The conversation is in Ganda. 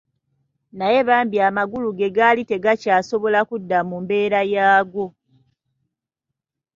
Naye bambi amagulu ge gaali tegakyasobola kudda mu mbeera yaago.